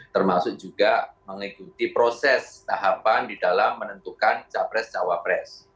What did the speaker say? termasuk juga mengikuti proses tahapan di dalam menentukan capres cawapres